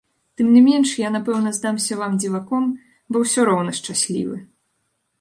Тым не менш я, напэўна, здамся вам дзіваком, бо ўсё роўна шчаслівы.